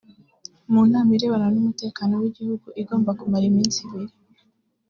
mu nama irebana n’umutekano w’igihugu igomba kumara iminsi ibiri